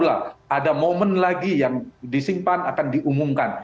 ada momen lagi yang disimpan akan diumumkan